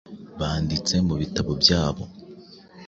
banditse mu bitabo byabo